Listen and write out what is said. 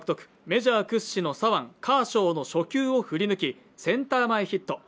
メジャー屈指の左腕カーショウの初球を振り抜き、センター前ヒット！